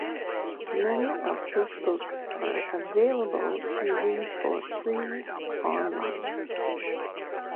Many of his books are available to read for free online.